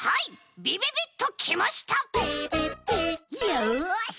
よし！